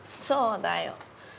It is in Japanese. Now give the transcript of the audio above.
そうだよ。